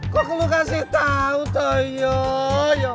kok lo kasih tau toyo